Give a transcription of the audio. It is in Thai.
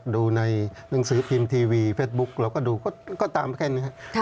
ดูในหนังสือพิมพ์ทีวีเฟซบุ๊กเราก็ตามแค่นี้